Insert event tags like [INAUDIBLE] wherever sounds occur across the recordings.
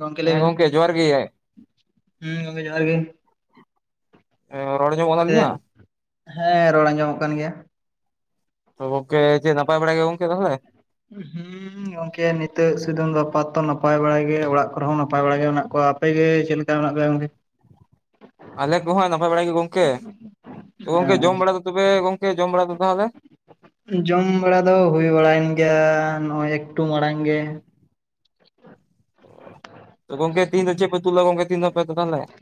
ᱜᱚᱢᱠᱮ ᱞᱟᱹᱭ ᱦᱮᱸ ᱵᱮᱱ ᱜᱚᱝᱠᱮ ᱡᱚᱦᱟᱨ ᱜᱮ ᱦᱚᱸ ᱜᱚᱢᱠᱮ ᱡᱚᱦᱟᱨ ᱜᱮ ᱨᱚᱲ ᱟᱡᱚᱢᱚᱜ ᱠᱟᱱ ᱛᱟᱹᱞᱤᱧᱟ ᱦᱮᱸ ᱨᱚᱲ ᱟᱸᱡᱚᱢᱚᱜ ᱠᱟᱱ ᱜᱮᱭᱟ ᱜᱚᱢᱠᱮ ᱪᱮᱫ ᱱᱟᱯᱟᱭ ᱵᱟᱲᱟ ᱜᱮ ᱜᱚᱝᱠᱮ ᱛᱟᱦᱚᱞᱮ ᱦᱮᱸ ᱜᱚᱝᱠᱮ ᱱᱤᱛᱟᱹᱜ ᱥᱩᱫᱩᱝ ᱵᱮᱯᱟᱨ ᱛᱚ ᱱᱟᱯᱟᱭ ᱵᱟᱲᱟ ᱜᱮ ᱚᱲᱟᱜ ᱠᱚᱨᱮ ᱦᱚᱸ ᱱᱟᱯᱟᱭ ᱵᱟᱲᱟ ᱜᱮ ᱢᱮᱱᱟᱜ ᱠᱚᱣᱟ ᱟᱯᱮᱜᱮ ᱪᱮᱫ ᱞᱮᱠᱟ ᱢᱮᱱᱟᱜ ᱯᱮᱭᱟ ᱜᱚᱝᱠᱮ ᱟᱞᱮ ᱠᱚᱦᱟᱸᱜ ᱱᱟᱯᱟᱭ ᱵᱟᱲᱟᱭ ᱜᱮ ᱜᱚᱝᱠᱮ ᱜᱚᱝᱠᱮ ᱡᱚᱢ ᱵᱟᱲᱟ ᱫᱚ ᱛᱚᱵᱮ ᱜᱚᱝᱠᱮ ᱡᱚᱢ ᱵᱟᱲᱟ ᱫᱚ ᱛᱟᱦᱞᱮ ᱡᱚᱢ ᱵᱟᱲᱟ ᱫᱚ ᱦᱩᱭ ᱵᱟᱲᱟᱭᱮᱱ ᱜᱮᱭᱟ ᱱᱚᱜᱚᱭ ᱮᱠᱴᱩ ᱢᱟᱲᱟᱝ ᱜᱮ ᱦ [INAUDIBLE] ᱜᱚᱝᱠᱮ ᱛᱤᱦᱤᱧᱫᱚ ᱪᱮᱫᱯᱮ ᱩᱛᱩ ᱞᱮᱫᱟ ᱜᱚᱝᱠᱮ ᱛᱤᱱ ᱫᱚᱯᱮ [INAUDIBLE]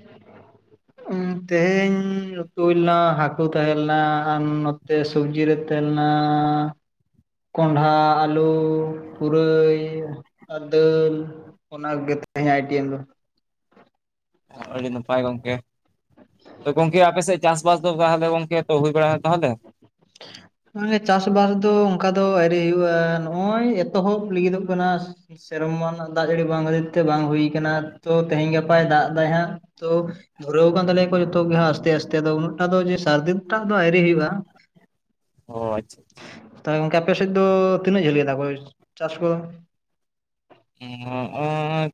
ᱛᱮᱦᱮᱧ ᱩᱛᱩ ᱦᱩᱭᱞᱮᱱᱟ ᱦᱟᱹᱠᱩ ᱛᱟᱦᱮᱸᱞᱮᱱᱟ ᱟᱨ [INAUDIBLE] ᱛᱮ ᱥᱚᱵᱡᱤ ᱨᱮ ᱛᱮᱦᱮᱸᱞᱮᱱᱟ ᱠᱚᱱᱰᱷᱟ ᱟᱹᱞᱩ ᱯᱩᱨᱟᱹᱭ ᱟᱨ ᱫᱟᱹᱞ ᱚᱱᱟ ᱜᱮ ᱛᱮᱦᱮᱧ ᱟᱜ ᱟᱭᱴᱮᱢ ᱫᱚ ᱟᱹᱰᱤ ᱱᱟᱯᱟᱭ ᱜᱚᱢᱠᱮ ᱛ ᱜᱚᱢᱠᱮ ᱟᱯᱮ ᱥᱮᱫ ᱪᱟᱥᱼᱵᱟᱥ ᱫᱚ ᱛᱟᱦᱚᱞᱮ ᱜᱚᱢᱠᱮ ᱛᱚ ᱦᱩᱭ ᱵᱟᱲᱟ [INAUDIBLE] ᱛᱟᱦᱚᱞᱮ ᱢᱟᱱᱮ ᱪᱟᱥᱵᱟᱥ ᱫᱚ ᱚᱱᱠᱟ ᱫᱚ ᱟᱹᱣᱨᱤ ᱦᱩᱭᱩᱜᱼᱟ ᱱᱚᱜᱼᱚᱭ ᱮᱛᱚᱦᱚᱵ ᱞᱟᱹᱜᱤᱫᱚᱜ ᱠᱟᱱᱟ ᱥᱮᱨᱚᱢᱟ ᱨᱮᱱᱟᱜ ᱫᱟᱜ ᱡᱟᱹᱲᱤ ᱵᱟᱝ ᱠᱷᱟᱹᱛᱤᱨ ᱛᱮ ᱵᱟᱝ ᱦᱩᱭ ᱠᱟᱱᱟ ᱛᱚ ᱛᱮᱦᱮᱧ ᱜᱟᱯᱟᱭ ᱫᱟᱜ ᱫᱟᱭ ᱦᱟᱸᱜ ᱛᱚ ᱫᱷᱩᱨᱟᱹᱣ ᱠᱟᱱ ᱛᱟᱞᱮᱭᱟᱠᱚ ᱡᱚᱛᱚ ᱜᱮ ᱦᱟᱸᱜ ᱟᱥᱛᱮ ᱟᱥᱛᱮ ᱫᱚ ᱩᱱᱟᱹᱜ ᱴᱟ ᱫᱚ ᱥᱟᱨᱫᱤ ᱩᱱᱟ. ᱜᱴᱟᱜ ᱫᱚ ᱟᱣᱨᱤ ᱦᱩᱭᱩᱜᱼᱟ ᱚ ᱟᱪᱪᱷᱟ ᱟᱪᱪᱷᱟ ᱛᱚ ᱜᱚᱝᱠᱮ ᱟᱯᱮᱫᱮᱫ ᱫᱚ ᱛᱤᱱᱟᱹᱜ ᱡᱷᱟᱹᱞ ᱜᱮᱛᱟᱯᱮ ᱪᱟᱥ ᱠᱚᱫᱚ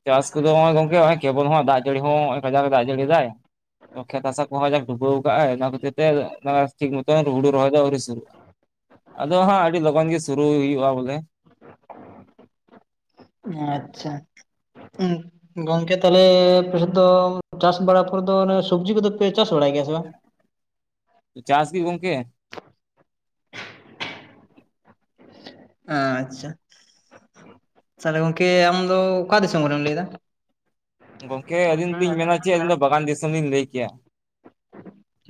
ᱪᱟᱥ ᱠᱚᱫᱚ ᱱᱚᱜᱚᱭ ᱜᱚᱝᱠᱮ ᱠᱮᱵᱚᱞ ᱦᱚᱸ ᱫᱟᱜ ᱡᱟᱹᱲᱤ ᱦᱚᱸ ᱠᱟᱡᱟᱜ ᱮ ᱫᱟᱜ ᱡᱟᱹᱲᱤ ᱫᱟᱭ ᱠᱷᱮᱛ ᱦᱟᱥᱟ ᱠᱚᱦᱚᱸ ᱡᱟᱠ ᱰᱩᱵᱟᱹᱣ ᱟᱠᱟᱟᱜ ᱟᱭ ᱚᱱᱟ ᱠᱷᱟᱹᱛᱤᱨ ᱛᱮ ᱴᱷᱤᱠ ᱢᱚᱛᱚ ᱦᱩᱲᱩ ᱨᱚᱦᱚᱭ ᱫᱚ ᱟᱹᱣᱨᱤ ᱥᱩᱨᱩᱜᱼᱟ ᱟᱫᱚ ᱦᱟᱸᱜ ᱟᱹᱰᱤ ᱞᱚᱜᱚᱱ ᱜᱮ ᱥᱩᱨᱩ ᱦᱩᱭᱩᱜᱼᱟ ᱵᱚᱞᱮ ᱚ ᱟᱪᱪᱷᱟ ᱦᱩᱢ ᱜᱚᱝᱠᱮ ᱛᱟᱦᱞᱮ ᱟᱯᱮᱥᱮᱫ ᱫᱚ ᱪᱟᱥ ᱵᱟᱲᱟ ᱯᱚᱨᱮ ᱫᱚ ᱚᱱᱮ ᱥᱚᱵᱡᱤ ᱠᱚᱫᱚ ᱯᱮ ᱪᱟᱥ ᱵᱟᱲᱟᱭ ᱜᱮᱭᱟ ᱥᱮ ᱵᱟᱝ ᱪᱟᱥ ᱜᱮ ᱜᱚᱝᱠᱮ ᱟᱪᱪᱷᱟ ᱛᱟᱦᱚᱞᱮ ᱜᱚᱝᱠᱮ ᱟᱢ ᱫᱚ ᱚᱠᱟ ᱫᱤᱥᱚᱢ ᱨᱮᱢ ᱞᱟᱹᱭ ᱫᱟ ᱜᱚᱢᱠᱮ ᱟᱹᱞᱤᱧ ᱫᱚᱞᱤᱧ ᱢᱮᱱᱟ ᱪᱮᱫ ᱟᱹᱞᱤᱧ ᱫᱚ ᱵᱟᱜᱟᱱ ᱫᱤᱥᱚᱢ ᱞᱤᱧ ᱞᱟᱹᱭ ᱠᱮᱭᱟ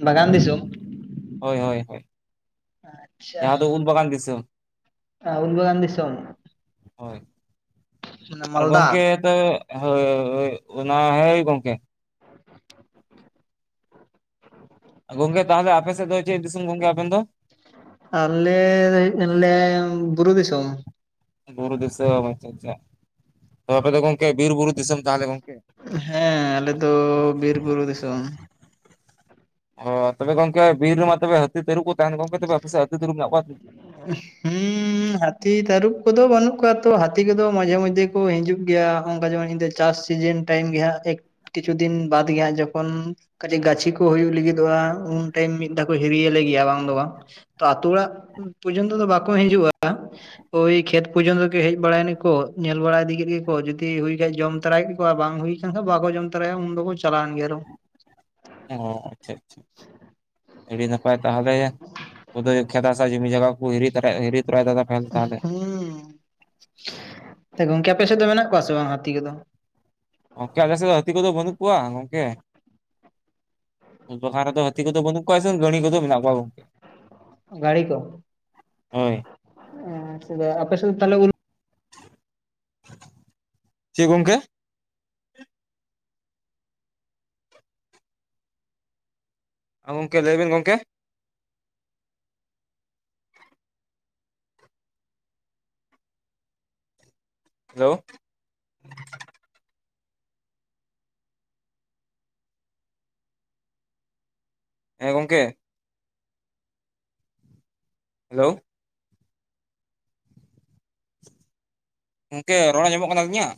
ᱵᱟᱜᱟᱱ ᱫᱤᱥᱚᱢ ᱦᱳᱭ ᱦᱳᱭ ᱦᱳᱭ ᱟᱪᱪᱷᱟ ᱡᱟᱦᱟᱸ ᱫᱚ ᱩᱞ ᱵᱟᱜᱟᱱ ᱫᱤᱥᱚᱢ ᱩᱞ ᱵᱟᱜᱟᱱ ᱥᱚᱢᱚᱢ ᱦᱳᱭ ᱚᱱᱟ ᱢᱟᱞᱫᱟ ᱦᱚᱭ ᱚᱱᱟ ᱦᱚᱭ ᱜᱚᱝᱠᱮ᱾ [INAUDIBLE] ᱜᱚᱝᱠᱮ ᱛᱟᱦᱚᱞᱮ ᱟᱯᱮ ᱥᱮᱫ ᱫᱚ ᱪᱮᱜ ᱫᱤᱥᱚᱢ ᱜᱚᱝᱠᱮ ᱟᱵᱮᱱ ᱫᱚ ᱟᱞᱮ ᱫᱚ ᱦᱩᱭᱩᱜ ᱠᱟᱱ ᱞᱮ ᱵᱩᱨᱩ ᱫᱤᱥᱚᱢ ᱵᱩᱨᱩ ᱫᱤᱥᱚᱢ, ᱟᱪᱪᱷᱟ ᱟᱪᱪᱷᱟ ᱛᱚ ᱟᱯᱮ ᱫᱚ ᱜᱚᱝᱠᱮ, ᱵᱤᱨ ᱵᱩᱨᱩ ᱫᱤᱥᱚᱢ ᱛᱟᱦᱚᱞᱮ ᱜᱚᱝᱠᱮ᱾ ᱦᱮᱸ ᱟᱞᱮ ᱫᱚ ᱵᱤᱨ ᱵᱩᱨᱩ ᱫᱤᱥᱚᱢ [INAUDIBLE] ᱚ ᱛᱚᱵᱮ ᱜᱚᱝᱠᱮ ᱵᱤᱨ ᱨᱮᱢᱟ ᱛᱚᱵᱮ ᱦᱟᱹᱛᱤ ᱛᱟᱹᱨᱩᱵ ᱠᱚ ᱛᱟᱦᱮᱱ ᱜᱚᱝᱠᱮ ᱛᱚᱵᱮ ᱟᱯᱮ ᱥᱮ ᱦᱟᱹᱛᱤ ᱛᱟᱹᱨᱩᱵ ᱠᱚ ᱢᱮᱱᱟᱜ ᱠᱚᱣᱟ [INAUDIBLE] ᱦᱩᱸ ᱦᱟᱹᱛᱤ ᱛᱟᱹᱨᱩᱵ ᱠᱚᱫᱚ ᱵᱟᱹᱱᱩᱜ ᱠᱚᱣᱟ ᱛᱚ ᱦᱟᱹᱛᱤ ᱠᱚᱫᱚ ᱢᱟᱡᱷᱮ ᱢᱚᱫᱷᱮ ᱠᱚ ᱦᱤᱡᱩᱜ ᱜᱮᱭᱟ ᱚᱱᱠᱟ ᱡᱮᱢᱚᱱ ᱱᱤᱫᱟᱹᱡ ᱪᱟᱥ ᱥᱤᱡᱤᱱ ᱴᱟᱭᱤᱢ ᱜᱮ ᱦᱟᱸᱜ ᱮᱠ ᱠᱤᱪᱷᱩ ᱫᱤᱱ ᱵᱟᱫ ᱜᱮ ᱦᱟᱸᱜ ᱡᱚᱠᱷᱚᱱ ᱠᱟᱪᱷᱤᱠ ᱜᱟᱪᱷᱤ ᱠᱚ ᱦᱩᱭᱩᱜ ᱞᱟᱹᱜᱤᱫᱚᱜᱼᱟ, ᱩᱱ ᱴᱟᱭᱤᱢ ᱢᱤᱫ ᱫᱷᱟᱣ ᱠᱚ ᱦᱤᱨᱤ ᱟᱞᱮ ᱜᱮᱭᱟ ᱵᱟᱝ ᱫᱚ ᱵᱟᱝ᱾ ᱟᱛᱚ ᱚᱲᱟᱜ ᱯᱚᱨᱡᱚᱱᱛᱚ ᱫᱚ ᱵᱟᱠᱚ ᱦᱤᱡᱩᱜᱼᱟ ᱳᱭ ᱠᱷᱮᱛ ᱯᱚᱨᱡᱚᱱᱛᱚ ᱜᱮ ᱦᱮᱡ ᱵᱟᱲᱟᱭ ᱱᱮᱠᱚ, ᱧᱮᱞ ᱵᱟᱲᱟ ᱤᱫᱤ ᱜᱮᱡ ᱠᱚ, ᱡᱩᱫᱤ ᱦᱩᱭ ᱠᱷᱟᱡ ᱡᱚᱢ ᱛᱟᱨᱟᱭ ᱜᱮᱡ ᱠᱚ ᱵᱟᱝ ᱦᱩᱭ [UNINTELLIGIBLE] ᱵᱟᱠᱚ ᱡᱚᱢ ᱛᱚᱨᱟᱭᱟ ᱩᱱ ᱫᱚᱠᱚ ᱪᱟᱞᱟᱣ ᱮᱱ ᱜᱮᱭᱟ ᱟᱨᱚ᱾ ᱚ ᱻ ᱟᱪᱪᱷᱟ ᱟᱪᱪᱷᱟ᱾ ᱟᱹᱰᱤ ᱱᱟᱯᱟᱭ ᱛᱟᱦᱚᱞᱮ ᱩᱫᱚᱭ ᱠᱷᱮᱛ ᱦᱟᱥᱟ ᱡᱚᱢᱤ ᱡᱚᱭᱜᱟ ᱠᱚ ᱦᱤᱨᱤ ᱛᱚᱨᱟᱭ ᱦᱤᱨᱤ ᱛᱚᱨᱟᱭ ᱫᱟᱫᱟ ᱵᱮᱞ ᱛᱟᱦᱞᱮ ᱦᱩᱸ ᱜᱚᱝᱠᱮ ᱟᱯᱮ ᱥᱮᱫ ᱫᱚ ᱢᱮᱱᱟᱜ ᱠᱚᱣᱟ ᱥᱮ ᱵᱟᱝ ᱦᱟᱹᱛᱤ ᱠᱚᱫᱚ ᱜᱚᱝᱠᱮ ᱟᱞᱮ ᱥᱮᱫ ᱫᱚ ᱦᱟᱹᱛᱤ ᱠᱚᱫᱚ ᱵᱟᱹᱱᱩᱜ ᱠᱚᱣᱟ ᱜᱚᱝᱠᱮ? ᱩᱞ ᱵᱟᱜᱟᱱ ᱨᱮᱫᱚ ᱦᱟᱹᱛᱤ ᱠᱚᱫᱚ ᱵᱟᱹᱱᱩᱜ ᱠᱚᱣᱟ ᱥᱮ ᱜᱟᱹᱲᱤ ᱠᱚᱫᱚ ᱢᱮᱱᱟᱜ ᱠᱚᱣᱟ ᱜᱚᱝᱠᱮ ᱜᱟᱹᱲᱤ ᱠᱚ ᱦᱳᱭ [INAUDIBLE] ᱟᱯᱮ ᱥᱮᱫ ᱛᱟᱦᱚᱞᱮ ᱩᱞ ᱪᱮᱜ ᱜᱚᱝᱠᱮ? ᱜᱚᱝᱠᱮ ᱞᱟᱹᱭ ᱵᱤᱱ ᱜᱚᱝᱠᱮ ᱦᱮᱞᱳ ᱦᱮᱸ ᱜᱚᱝᱠᱮ ᱦᱮᱞᱳ ᱜᱚᱝᱠᱮ ᱨᱚᱲ ᱧᱟᱢᱚᱜ ᱠᱟᱱ ᱤᱧᱟᱹᱜ